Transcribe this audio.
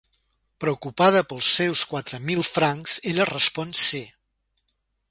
Preocupada pels seus quatre mil francs, ella respon "Sí".